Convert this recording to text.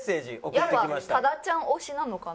やっぱ多田ちゃん推しなのかな？